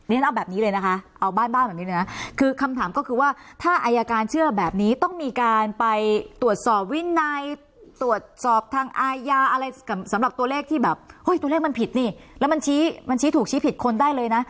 ฉันเอาแบบนี้เลยนะคะเอาบ้านบ้านแบบนี้เลยนะคือคำถามก็คือว่าถ้าอายการเชื่อแบบนี้ต้องมีการไปตรวจสอบวินัยตรวจสอบทางอาญาอะไรสำหรับตัวเลขที่แบบเฮ้ยตัวเลขมันผิดนี่แล้วมันชี้มันชี้ถูกชี้ผิดคนได้เลยนะ